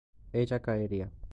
Ella caería.